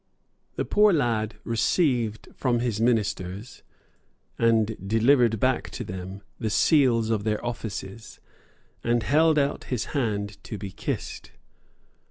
The poor lad received from his ministers, and delivered back to them, the seals of their offices, and held out his hand to be kissed.